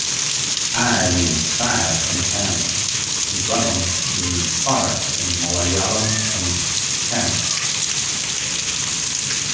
"Ay" means "five" in Tamil and "Vanam" means "forest" in Malayalam and Tamil.